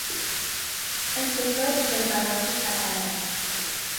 Escultor del barroco catalán.